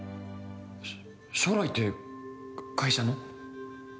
将来って会社の？